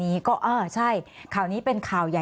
มีความรู้สึกว่าเสียใจ